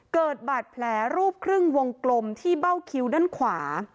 เกิดบาดแผลรูปครึ่งวงกลมที่เบ้าคิวด้านขวา